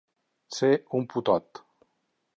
Ser un putot.